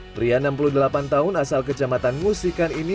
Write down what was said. pria enam puluh delapan tahun asal kecamatan musikan ini